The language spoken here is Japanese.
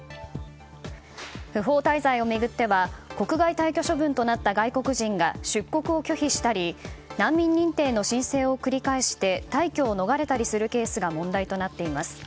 不法滞在を巡っては国外退去処分となった外国人が出国を拒否したり難民認定の申請を繰り返して退去を逃れたりするケースが問題となっています。